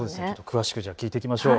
詳しく聞いてみましょう。